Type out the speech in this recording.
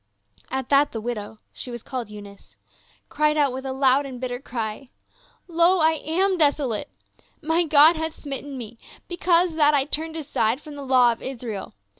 At that the widow — she was called Eunice — cried out with a loud and bitter cry. " Lo, I am deso 302 PAUL. late ! My God hath smitten me, because that I turned aside from the law of Israel.